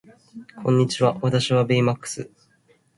こんにちは私はベイマックス